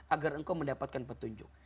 agar engkau mendapatkan petunjuk